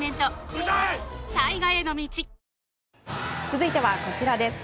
続いてはこちらです。